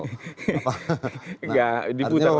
gak diputar waktu